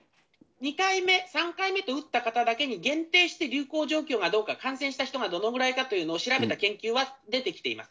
２回目、３回目と打った方だけに限定して、流行状況がどうか、感染した人がどのぐらいかというのを調べた研究は出てきています。